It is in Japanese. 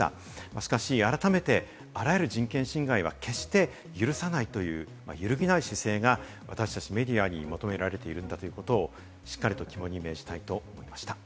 しかし改めて、あらゆる人権侵害は決して許さないという、揺るぎない姿勢が私達、メディアに求められているんだということをしっかりと肝に銘じたいと思いました。